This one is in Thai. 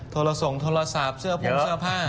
โทรส่งโทรศัพท์เสื้อผงเสื้อผ้า